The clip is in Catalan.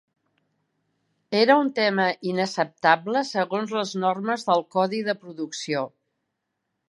Era un tema inacceptable segons les normes del codi de producció.